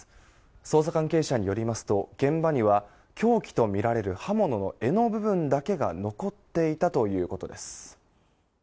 捜査関係者によりますと現場には凶器とみられる刃物の柄の部分だけが残っていたということです。